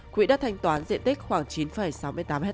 quỹ đất thanh toán diện tích khoảng chín sáu mươi tám hectare